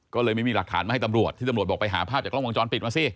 ก็เลยไม่มีหลักฐานมาให้ตำรวจที่ตำรวจบอกไปหาภาพจากกล้องวงจรปิดมาสิ